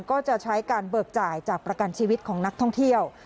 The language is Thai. ก็จะใช้การเบิกจ่ายจากประกันชีวิตของนักท่องเที่ยว